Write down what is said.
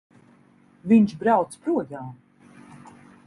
Viņš brauc projām!